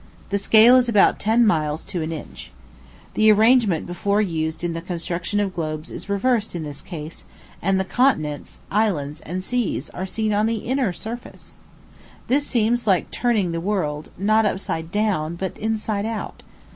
The scale is about ten miles to an inch. The arrangement before used in the construction of globes is reversed in this case, and the continents, islands, and seas are seen on the inner surface. This seems like turning the world, not upside down, but inside out.